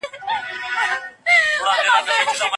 ایا له بدو فکرونو څخه لیري پاته کېدل د انسان روح ته سکون ورکوي؟